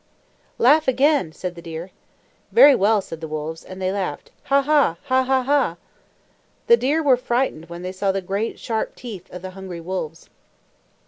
"Laugh again," said the deer. "Very well," said the wolves, and they laughed, "Ha, ha, ha, ha, ha!" The deer were frightened when they saw the great, sharp teeth of the hungry wolves.